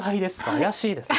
怪しいですね。